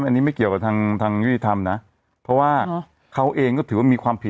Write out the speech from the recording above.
อันนี้ไม่เกี่ยวกับทางยุติธรรมนะเพราะว่าเขาเองก็ถือว่ามีความผิด